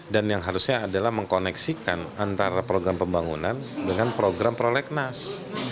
dan yang harusnya adalah mengkoneksikan antara program pembangunan dengan program prolegnas